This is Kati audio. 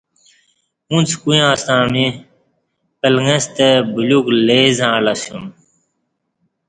اُݩڅ کویاں ستݩع می پلݣستہ بلیوک لئ زعݩلہ اسُیوم